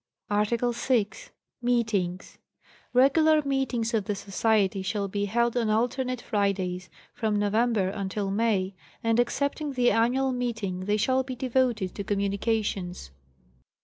'ARTICLE VI. MEETINGS. Regular meetings of the Society shall be held on alternate Fridays, from November until May, and excepting the annual meeting they shall be devoted to communications.